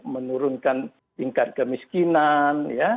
menurunkan tingkat kemiskinan